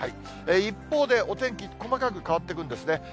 一方で、お天気、細かく変わっていくんですね。